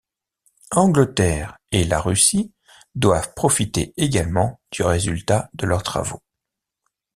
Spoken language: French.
Angleterre et la Russie doivent profiter également du résultat de leurs travaux.